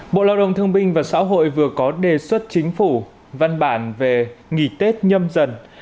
bộ lao động thương binh và xã hội vừa có đề xuất chính phủ văn bản về nghỉ tết nhâm dần